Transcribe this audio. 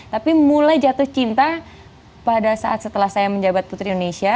tapi mulai jatuh cinta pada saat setelah saya menjabat putri indonesia